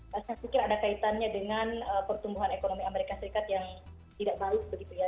saya pikir ada kaitannya dengan pertumbuhan ekonomi amerika serikat yang tidak baik begitu ya